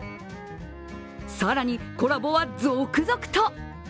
更にコラボは続々と。